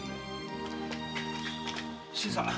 新さん